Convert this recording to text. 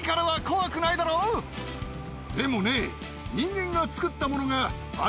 でもね。